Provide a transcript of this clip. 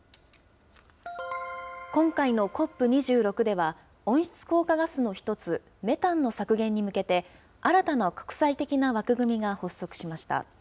今回のＣＯＰ２６では、温室効果ガスの一つ、メタンの削減に向けて、新たな国際的な枠組みが発足しました。